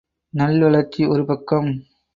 நல் வளர்ச்சி ஒரு பக்கம்.